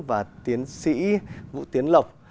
và tiến sĩ vũ tiến lộc